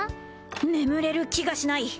眠れる気がしない